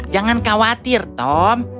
jangan khawatir tom